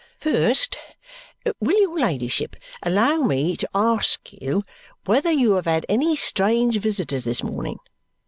First, will your ladyship allow me to ask you whether you have had any strange visitors this morning?